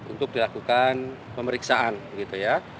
untuk dilakukan pemeriksaan gitu ya